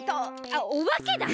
あっおばけだ！